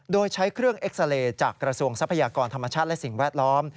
โดยใช้เครื่องเอ็กซาเลจากกระทรวงทรัพยากรธรรมชาติและสิ่งแวดล้อม